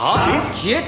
消えた！？